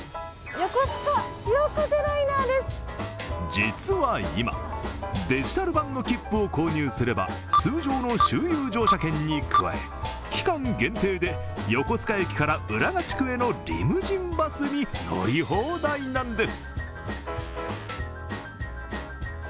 実は今、デジタル版の切符を購入すれば通常の周遊乗車券に加え期間限定で横須賀駅から浦賀地区へのリムジンバスに乗り放題なんです。